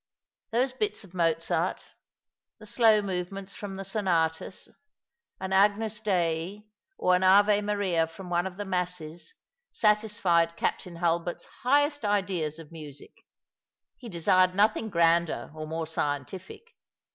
Those bits of Mozart, the slow movements from the Sonatas, an Agnus Dei, or an Ave Maria from one of the Masses, satisfied Captain Hulbert's highest ideas of music. He desired nothing grander or more scientific.